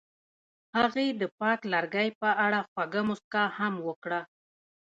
هغې د پاک لرګی په اړه خوږه موسکا هم وکړه.